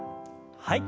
はい。